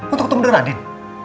untuk ketemu dengan anin